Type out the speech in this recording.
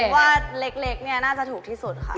ผมว่าเล็กน่าจะถูกที่สุดค่ะ